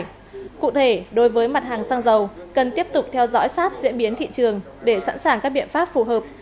cụ thể đối với mặt hàng xăng dầu cần tiếp tục theo dõi sát diễn biến thị trường để sẵn sàng các biện pháp phù hợp